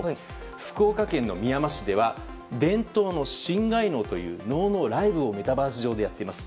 福岡県みやま市では伝統の新開能という能のライブをメタバース上でやっています。